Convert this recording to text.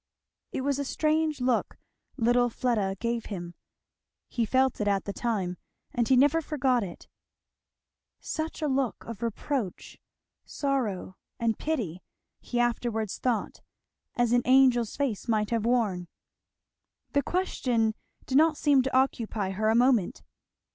It was a strange look little Fleda gave him. He felt it at the time, and he never forgot it. Such a look of reproach, sorrow, and pity, he afterwards thought, as an angel's face might have worn. The question did not seem to occupy her a moment.